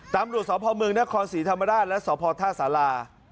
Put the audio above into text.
ตำรวจสพมนศศรีธรรมราชและสพธศาลา